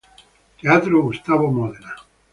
Teatro Gustavo Modena